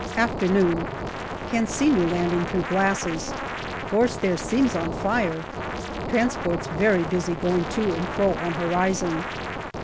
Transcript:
Afternoon. Can see new landing through glasses. Gorse there seems on fire. Transports very busy going to and fro on horizon.